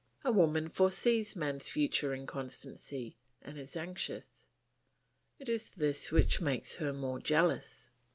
A woman foresees man's future inconstancy, and is anxious; it is this which makes her more jealous.